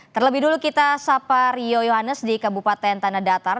terlebih dulu kita sapa rio yohanes di kabupaten tanah datar